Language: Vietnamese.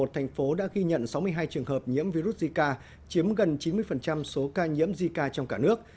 thành phố đã ghi nhận sáu mươi hai trường hợp nhiễm virus zika chiếm gần chín mươi số ca nhiễm zika trong cả nước